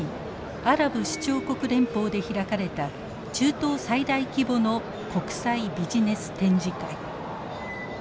アラブ首長国連邦で開かれた中東最大規模の国際ビジネス展示会。